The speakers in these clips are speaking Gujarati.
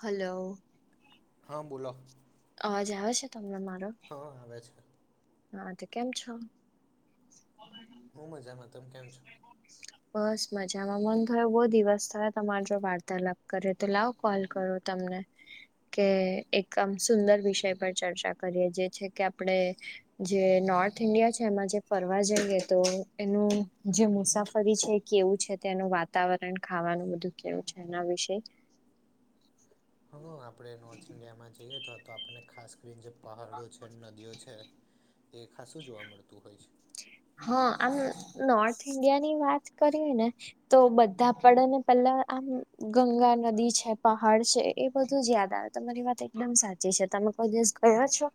હલો. હા બોલો. અવાજ આવે છે તમને મારો? હ આવે છે. હા તો કેમ છો? હ મજામાં તમે કેમ છો? બસ મજામાં મન થયો બહુ દિવસ થયો તમાર જોડે વાર્તાલાપ કરીએ તો લાવો કોલ કરો તમને. કે એક આમ સુંદર વિષય પર ચર્ચા કરીએ જે છે કે આપણે. જે નોર્થ ઇન્ડિયા છે એમાં જે ફરવા જઈએ તો એનું જે મુસાફરી છે. કેવું છે તેનું વાતાવરણ ખાવાનું બધું કેવું છે એના વિશે. હ આપણે નોર્થ ઇન્ડિયામાં જઈએ તો તો આપણે ખાસ કરીને જે પહાડો છે નદીઓ છે, તે ખાસું જોવા મળતું હોય છે. હા આમ નોર્થ ઈન્ડિયા ની વાત કરીએ ને. તો બધા પડે ને પેલા આમ ગંગા નદી છે પહાડ છે એ બધું જ યાદ આવે. તમારી વાત એકદમ સાચી છે તમે કોઈ દિવસ ગયા છો?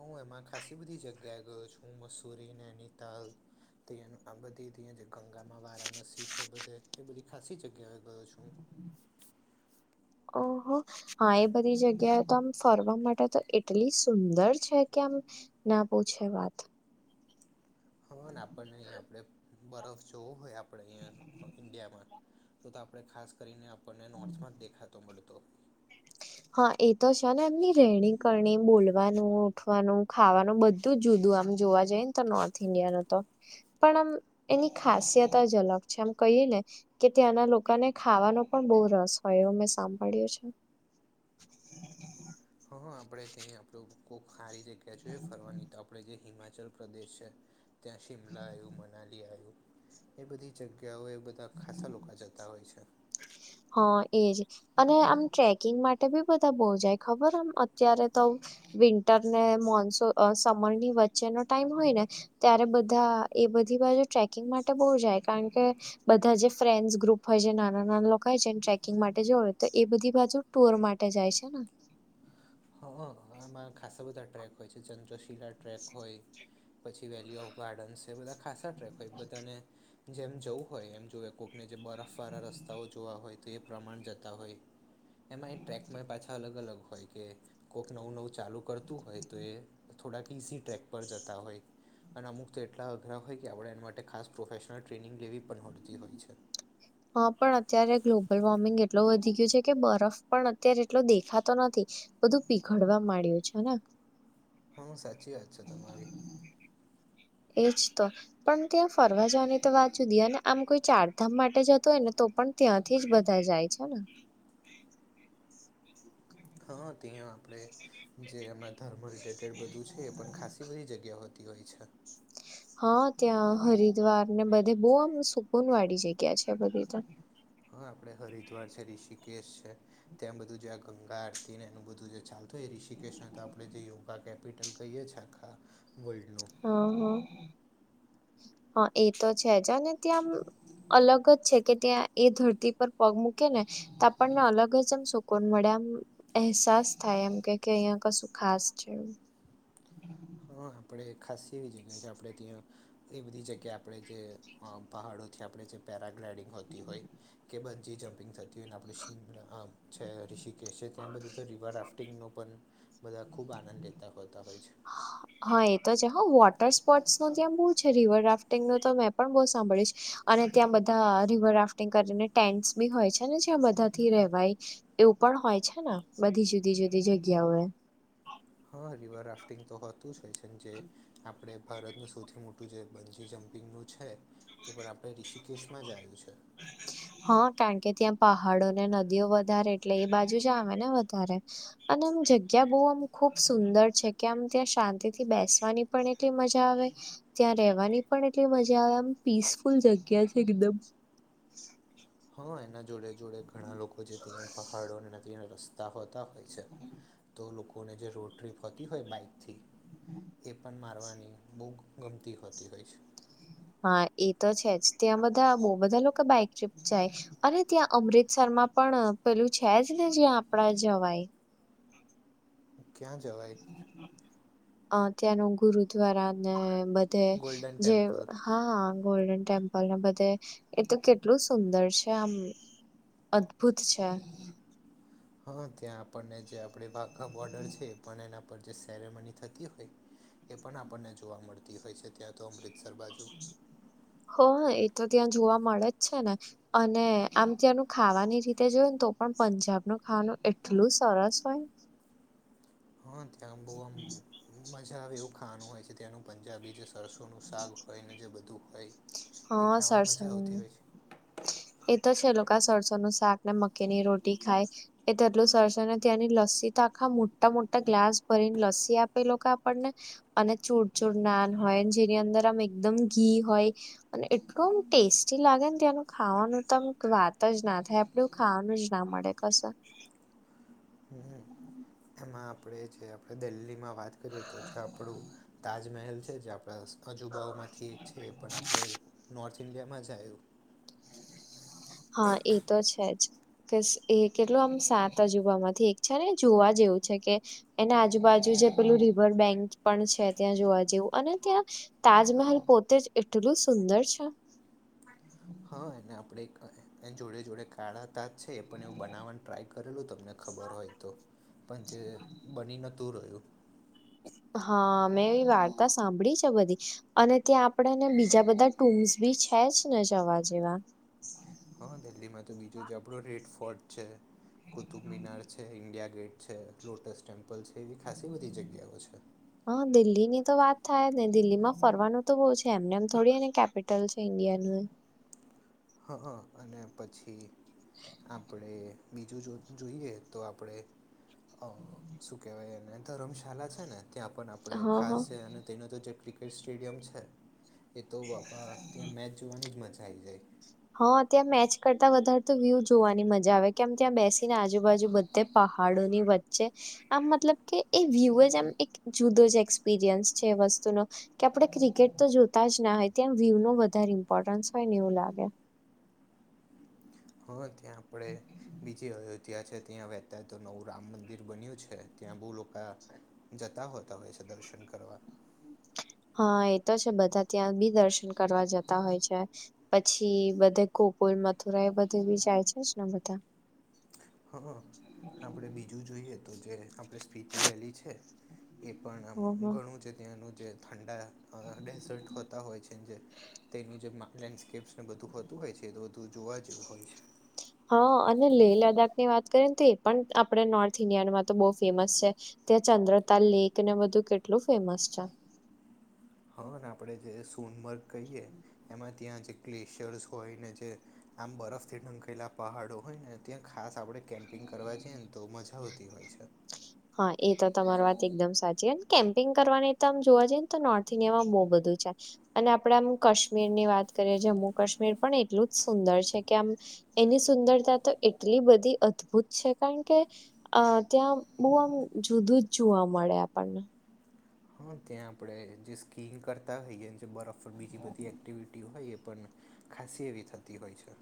હું એમાં ખાસી બધી જગ્યાએ ગયો છું મસૂરી નૈનીતાલ. તે આ બધી તે જે ગંગામાં વારાણસી છે બધે એ બધી ખાસી જગ્યાએ ગયો છું. ઓહો. હા એ બધી જગ્યાએ તો આમ ફરવા માટે તો એટલી સુંદર છે કે આમ ના પૂછે વાત. હને આપણને અહીં આપણે બરફ જોવું હોય આપણે અહીંયા ઈન્ડિયામાં. તો તો આપણે ખાસ કરીને આપણને નોર્થમાં જ દેખાતો મળતો. હા એ તો છે ને એમની રહેણી કરણી બોલવાનું ઉઠવાનું ખાવાનું બધું જુદું આમ જોવા જઈ ને તો નોર્થ ઇન્ડિયા નું તો. પણ આમ એની ખાસિયત જ અલગ છે આમ કહીએ ને. કે ત્યાંના લોકોને ખાવાનો પણ બહુ રસ હોય એવો મેં સાંભળ્યું છે. [inaudible] હા હા આપણે ત્યાં આપણું કોક હારી જગ્યા જોઈએ ફરવાની તો આપણે જે હિમાચલ પ્રદેશ છે. ત્યાં શિમલા આયું મનાલી આયું, એ બધી જગ્યાઓ એ બધી તા ખાસ્સા લોકો જતા હોય છે. હા એજ. અને આમ ટ્રેકિંગ માટે બી બધા બહુ જાય ખબર આમ અત્યારે તો. વિન્ટર ને મોનસૂન સમર ની વચ્ચેનો ટાઈમ હોય ને. ત્યારે બધા એ બધી બાજુ ટ્રેકિંગ માટે બહુ જાય કારણ કે બધા જે ફ્રેન્ડસ ગ્રુપ હોય છે નાના નાના લોકો હોય છે ટ્રેકિંગ માટે જો હોય તો એ બધી બાજુ. ટુર માટે જાય છે ને. હ હ અમાર ખાસા બધા ટ્રેક હોય છે ચંત્રશિલા ટ્રેક હોય પછી વેલીયુ ઓફ ગાર્ડન્સ છે બધા ખાસા ટ્રેક હોય બધાને જેમ જવું હોય એમ જોવે કોઈકને જે બરફવાળા રસ્તાઓ જોવા હોય તો એ પ્રમાણ જતા હોય એમાં એ ટ્રેકમાં પાછા અલગ અલગ હોય કે કોઈક નવું નવું ચાલુ કરતું હોય તો એ થોડાક ઈસી ટ્રેક પર જતા હોય અને અમુક તો એટલા અઘરા હોય કે આપણે એના માટે ખાસ પ્રોફેશનલ ટ્રેનિંગ લેવી પણ હોડતી હોય છે. હા પણ અત્યારે ગ્લોબલ વોર્મિંગ એટલું વધી ગયું છે કે બરફ પણ અત્યારે એટલો દેખાતો નથી. બધું પીઘડવા માંડ્યું છે ને હમ્મ સાચી વાત છે તમારી એજ તો પણ ત્યાં ફરવા જવાની તો વાત જુદી અને આમ કોઈ ચારધામ માટે જતો હોય ને તો પણ ત્યાંથી જ બધા જાય છે ને હા ત્યાં આપણે જે હમણા ધર્મ રિલેટેડ બધું છે એ પણ ખાસી બધી જગ્યા હોતી હોય છે. હા ત્યાં હરિદ્વાર ને બધે બહુ આમ સુકૂન વાળી જગ્યા છે બધી ત્યા હા આપણે હરિદ્વાર છે ઋષિકેશ છે. ત્યાં બધું જે આ ગંગા આરતીને એનું બધું જે ચાલતુંય એ ઋષિકેશ્ને તો આપણે જે યોગા કેમ્પ [unintelligible] કહીએ છે આખા વલ્ડનું હા હા હા એ તો છે જ અને ત્યાં આમ અલગ જ છે કે ત્યાં એ ધરતી પર પગ મૂકે ને તો આપણને અલગ જ આમ સુકુન મળે આમ અહેસાસ થાય એમ કે કે અહિયાં કશું ખાસ છે એ હા આપણે ખાસી એવી જગ્યાએ છે આપણે ત્યાં એ બધી જગ્યાએ આપણે જે અ પહાડોથી આપણે જે પેરાગ્લાઇડિંગ હોતી હોય કે બંજી જમ્પિંગ થતી હોય ને આપણે શીમ આમ છે ઋષિકેશ છે ત્યાં બધું તો રિવર રાફ્ટિંગનો પણ બધા ખૂબ આનંદ લેતા હોતા હોય છે. હા એ તો જ હઓ વોટર સ્પોર્ટ્સ નો ત્યાં બહુ છે રિવર રાફ્ટ ટીંગનુ મેં પણ બઉં સાંભળયુ છે અને ત્યાં બધા રિવર રાફ્ટિંગ કરીને ટેન્ટસ બી હોય છે ને જ્યાં બધા થી રેવાય એવું પણ હોય છે ને બધી જુદી જુદી જગ્યાઓ એ હા રિવર રાફ્ટિંગ તો હોતું જ હોય છે જે આપણે ભારતનું સૌથી મોટું જે બંજી જમ્પિંગનું છે. તે પણ આપણે ઋષિકેશમાં જ આયું છે. હા કારણ કે ત્યાં પહાડો ને નદીઓ વધારે એટલે એ બાજુ જ આવે ને વધારે અને આમ જગ્યા બહુ આમ ખુબ સુંદર છે કે આમ ત્યાં શાંતિ થી બેસવાની પણ એટલી મજા આવે ત્યાં રહેવાની પણ એટલી મજા આવે આમ પીસફુલ જગ્યા છે એકદમ હા એના જોડે જોડે ઘણા લોકો છે તે પહાડોને ત્યાં રસ્તા હોતા હોય છે તો લોકોને જે રોડ ટ્રીપ હોતી હોય બાઈક થી એ પણ મારવાની બહુગ ગમતી હોતી હોય છે. હા એ તો છે જ ત્યાં બધા બહુ બધા લોકો બાઈક ટ્રીપ જાય અને ત્યાં અમૃતસરમાં પણ પેલું છે જ ને જ્યાં આપડા જવાય ક્યાં જવાય અ ત્યાંનું ગુરુદ્વારા ને બધે ગોલ્ડન જે ટેમ્પલ હા ગોલ્ડન ટેમ્પલ ના બધે એ તો કેટલું સુંદર છે આમ અદ્ભુત છે. હા ત્યાં આપણને જે આપડ વાઘ બોર્ડર છે પણ એના ઉપ જે સેરેમની થતી હોય, એ પણ આપણને જોવા મળતી હોય છે ત્યાં તો અમૃતસર બાજુ. હ એ તો ત્યાં જોવા મળે જ છે ને. અને આમ ત્યાંનું ખાવાની રીતે જોયું ને તો પણ પંજાબ ન ખાવાનું એટલું સરસ હોઈ. હા ત્યાં બોવામ મજા આવે એવું ખાવાનું હોય છે ત્યાંનું પંજાબી જે સરસોનું શાક હોય ને જે બધું હોય. એ હા ખાવાની સરસ મજા આવતી હોય છે. એ તો છે લોકો આ સરસો નું શાક ને મકીની રોટી ખાય. એ તેટલું સરશે ને ત્યાંની લસ્સી તખા મોટા મોટા ગ્લાસ ભરીને લસ્સી આપેલો કે આપણને. અને ચૂરચોર નાન હોય જેની અંદર આમ એકદમ ઘી હોય. અને એટલો ટેસ્ટી લાગે ને ત્યાંનું. ખાવાનું તો આમ વાત જ ના થાય આપડે એ ખાવાનું જ ના મળે કશ. હ. એમાં આપણે જે આપણે દિલ્હીમાં વાત કરીએ તો જે આપણું, તાજમહેલ છે જે આપણા અજુબાઓમાંથી એક છે એ પણ આપણે નોર્થ ઇન્ડિયામાં જ આવું. હા એ તો છે જ. કે એ કેટલું આમ સાત અજુબામાંથી એક છે ને જોવા જેવું છે કે. એના આજુબાજુ જે પેલું રિવર બેંક પણ છે ત્યાં જોવા જેવું અને ત્યાં તાજમહલ પોતે જ એટલું સુંદર છે. હા એને આપણે એ જોડે જોડે કાઢા હતા. છે એ પણ એવું બનાવવાનું ટ્રાય કરેલું તમને ખબર હોય તો, પણ જે બની ન દૂર રહ્યું. હા મેં એવી વાર્તા સાંભળી છે બધી, અને ત્યાં આપણેેને બીજા બધા ટૂમ્સ બી છે જને જવા જેવા. હ [inaudible] હા દિલ્હીમાં તો બીજું જ આપણું રેડ ફોર્ટ છે, કુતુબ મિનાર છે ઇન્ડિયા ગેટ. છે લોટસ ટેમ્પલ છે એવી ખાસી બધી જગ્યાઓ છે. હા દિલ્હી ની તો વાત થાય નને દિલ્હી માં ફરવાનું તો બહુ છે એમને એમ થોડીને કેપ ઇડિયાનું. હા હા અને પછી આપણે બીજું જો જોઈએ તો આપણે. શું કહેવાયને ધર્મશાળા છે ને ત્યાં પણ આપ આપણે હા ખાસ હા છે અને તેનો તો જે ક્રિકેટ સ્ટેડિયમ છે. એ તો બાપા ત્યાં મેચ જોવાની જ મજા આવી જાય. હા ત્યાં મેચ કરતા વધારે તો વ્યુ જોવાની મજા આવે કેમ ત્યાં બેસીને આજુબાજુ બધે પહાડો ની વચ્ચે. આમ મતલબ કે એ વ્યુ જ એમ એક જુદો જ એક્સપિરિયન્સ છે વસ્તુનો. કે આપણે ક્રિકેટ તો જોતા જ ના હોય ત્યા વ્યવ નો વધારે ઇમ્પોર્ટન્સ હોય ને એવું લાગે. હં ત્યાં આપણે બીજી ત્યાં છે ત્યાં વહેતા તો નવું રામ મંદિર બન્યું છે ત્યાં બહુ લોકો જતા હોતા હોય છે દર્શન કરવા. હા એ તો છે બધા ત્યાં બી દર્શન કરવા જતા હોય છે. પછી બધે ગોકુલ મથુરા એ બધી બી જાય છે ને બધા. હા, આપણે બીજું જોઈએ તો જે આપણે સ્પીતિ વેલી છે. એ પણ આમ ઓહો ઘણું જે ત્યાંનું જે ઠંડા અહ ડેઝર્ટ હોતા હોય છે જે તેનું જેમાં લેન્ડસ્કેપ્સ ને બધું હોતું હોય છે એ તો બધું જોવા જેવું હોય. હા અને લેહ લદ્દાખ ની વાત કરીએ ને તો એ પણ આપણે નોર્થ ઇન્ડિયાનમાં તો બહુ ફેમસ છે. ત્યાં ચંદ્રતાલ લેક ને બધું કેટલું ફેમસ છે. હા ને આપણે જે સોનમર્ગ કહીએ એમાં ત્યાં જે ગ્લેશિયર્સ હોય ને જે આમ બરફથી ઢંકાયેલા પહાડો હોય ને ત્યાં ખાસ આપણે કેમ્પ પિંગ કરવા જઈએને તો મજા આવતી હોય છે. હા એ તો તમારી વાત એકદમ સાચી અને કેમ્પિંગ કરવાની તો આમ જોવા જઈએ ને તો નોર્થ ઇન્ડિયામાં બહુ બધું છે અને આપણેે આમ કાશ્મીર ની વાત કરીએ જમ્મુ કાશ્મીર પણ એટલું જ સુંદર છે કે આમ એની સુંદરતા તો એટલી બધી અદભુત છે કારણ કે અહ ત્યાં બહુ આમ જુદું જ જોવા મળે આપણને. હા ત્યાં આપડે જે સ્કીં કરતા હોઈએ. જે બરફ પર બીજી બધી એક્ટિવિટી હોય એ પણ ખાસી એવી થતી હોય છે.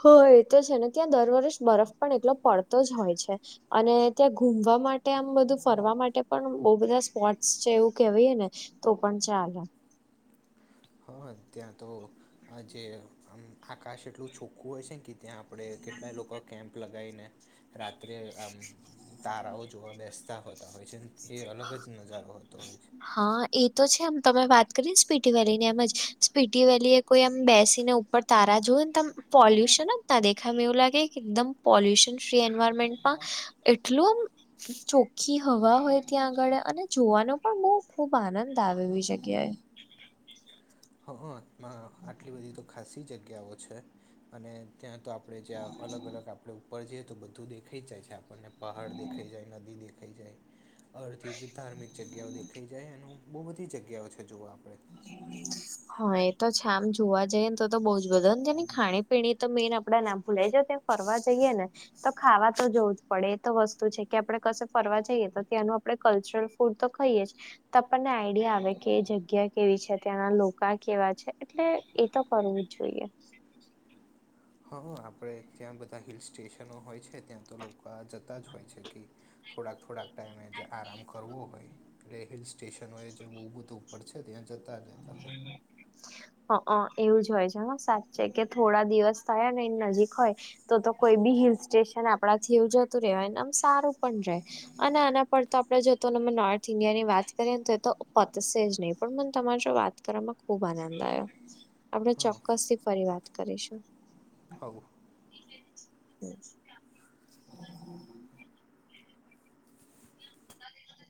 હ એ તો છે ને ત્યાં દર વર્ષ બરફ પણ એટલો પડતો જ હોય છે. અને ત્યાં ઘુમવા માટે આમ બધું ફરવા માટે પણ બહુ બધા સ્પોટ્સ છે એવું કેવાય ને. તો પણ ચાલે. હા ત્યાં તો આ જે અમ આકાશ એટલું છોખ્ખું હોય છે ને કે ત્યાં આપણેે કેટલા ઈ લોકો કેમ્પ લગ ગાઈ ને રાત્રે આમ તારાઓ જોવા બેસતા હોતા હોય છે. એ અલગ જ નજારો હોતો હોય છે. હા એ તો છે એમ તમે વાત કરીને સ્પીટી વેલીની એમ જ સ્પીટી વેલી એ કોઈ એમ બેસીને ઉપર તારા જોય ને તમ પોલ્યુશન જ ના દેખાય એમ એવું લાગે કે એકદમ પોલ્યુશન ફ્રી એન્વાયરમેન્ટમાં એટલું આમ ચોખ્ખી હવા હોય. ત્યાં આગળ અને જોવાનો પણ બહુ ખુબ આનંદ આવવી જગ્યાએ. હ હ આટલી બધી તો ખાસી જગ્યાઓ છે. અને ત્યાં તો આપણે જ્યાં અલગ અલગ આપડે ઉપર જઈએ તો બધું દેખાઈ જાય છે આપણને પહાડ દેખાય જાય નદી દેખાય જાય. અડધથી જ ધાર્મિક જગ્યાઓ દેખાઈ જાય એનું બહુ બધી જગ્યાઓ છે જોવા આપડે. હમ [inaudible] હા એ તો છે આમ જોવા જઈએને તો તો બઉ જ બધા ને તેની ખાણી પીણી તો મેઈન આપડા ના ભૂલાય જાય ત ફરવા જઈએ ને. તો ખાવા તો જોવું જ પડે એ તો વસ્તુ છે કે આપણે કશે ફરવા જઈએ તો ત્યાંનું આપડે કલ્ચર પૂરતો ખઈએ જ તો આપણને આઈડિયા આવે કે એ જગ્યા કેવી છે ત્યાંના લોકા કેવા છે એટલે એ તો કરવું જ જોઈએ. હા આપણે ત્યાં બધા હિલ સ્ટેશનો હોય છે ત્યાં તો લોકા આ જતા જ હોય છે કે થોડાક થોડાક ટાઈમે જે આરામ કરવો હોય એટલે હિલ સ્ટેશનોએ જેવું બધુ પડે છે ત્યાં જતા રહેતા હોય. હ અ એવું જ હોય છે હ સાચે કે થોડા દિવસ થાય ને એ નજીક હોય. તો તો કોઈ બી હિલ સ્ટેશન આપડા થી એવું જતું રેવાયને આમ સારું પણ જાય અને આના પર તો આપડે જો તો નોર્થ ઇન્ડિયા ની વાત કરીએ ને તો તો પતશે જ નહીં પણ મન તમારે જો વાત વાત કરવામાં ખૂબ આનંદ આવ્યો આપણે હં ચોક્કસ થી ફરી વાત કરીશું. કહું ઠીક બ [inaudible]